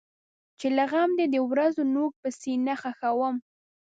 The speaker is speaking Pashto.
چې له غم دی د ورځو نوک په سینه خښوم.